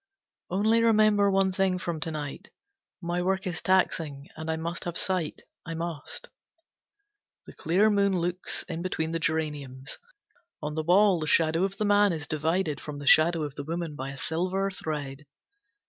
"Only remember one thing from to night. My work is taxing and I must have sight! I must!" The clear moon looks in between the geraniums. On the wall, the shadow of the man is divided from the shadow of the woman by a silver thread.